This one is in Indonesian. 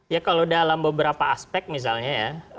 ya kalau dalam beberapa aspek misalnya ya